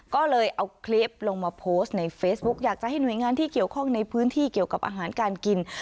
ก็เลยเอาคลิปลงมาโพสต์ในเฟซบุ๊คอยากจะให้หน่วยงานที่เกี่ยวข้องในพื้นที่เกี่ยวกับอาหารการกิน